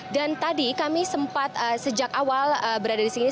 dan tadi kami sempat sejak awal berada di sini